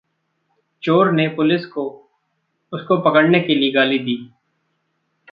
चोर ने पुलिस को उसको पकड़ने के लिए गाली दी।